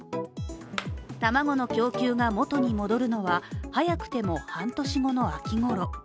卵の供給が元に戻るのは早くても半年後の秋ごろ。